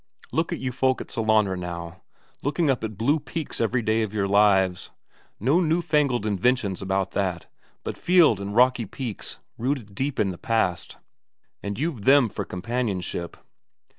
Look at you folk at Sellanraa, now; looking up at blue peaks every day of your lives; no new fangled inventions about that, but fjeld and rocky peaks, rooted deep in the past but you've them for companionship.